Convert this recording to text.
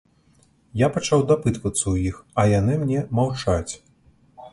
Я пачаў дапытвацца ў іх, а яны мне маўчаць.